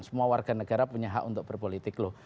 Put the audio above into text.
semua warga negara punya hak untuk berpolitik loh